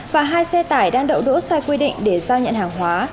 và hai xe tải đang đậu đỗ sai quy định để giao nhận hàng hóa